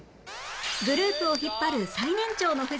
グループを引っ張る最年長の藤原